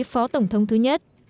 phó tổng thống thứ nhất